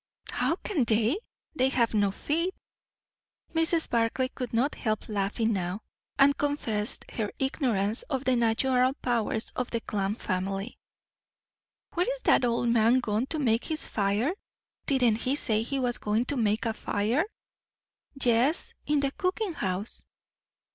"How can they? they have no feet." Mrs. Barclay could not help laughing now, and confessed her ignorance of the natural powers of the clam family. "Where is that old man gone to make his fire? didn't he say he was going to make a fire?" "Yes; in the cooking house."